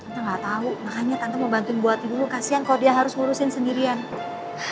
sampai jumpa di video selanjutnya